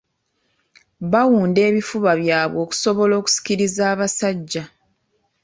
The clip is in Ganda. Bawunda ebifuba byabwe okusobola okusikiriza abasajja.